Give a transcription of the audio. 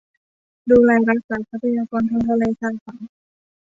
ดูแลรักษาทรัพยากรทางทะเล ชายฝั่ง